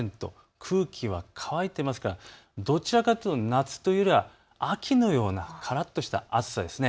空気が乾いていますからどちらかというと夏というよりは秋のようなからっとした暑さです。